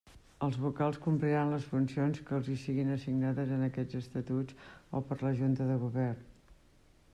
Els vocals compliran les funcions que els hi siguin assignades en aquests Estatuts o per la Junta de Govern.